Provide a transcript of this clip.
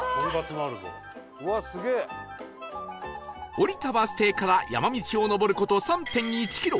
降りたバス停から山道を登る事 ３．１ キロ